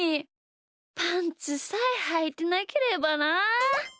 パンツさえはいてなければなあ。